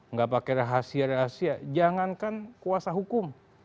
nggak pakai rahasia rahasia jangankan kuasa hukum